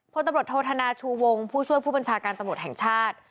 พลตำรวจโทษธนาชูวงผู้ช่วยผู้บัญชาการตำรวจแห่งชาติ